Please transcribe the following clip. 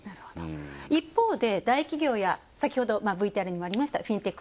一方で、大企業や先ほどＶＴＲにもありました、フィンテック